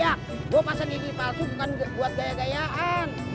gajah gue pasang gigi palsu bukan buat gaya gayaan